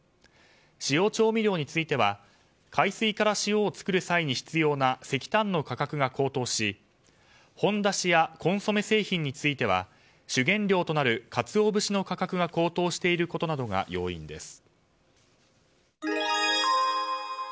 塩調味料については海水から塩を作る際に必要な石炭の価格が高騰しほんだしやコンソメ製品については主原料となるカツオ節の価格が高騰していることなどが要因です。